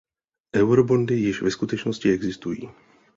Eurobondy již ve skutečnosti existují.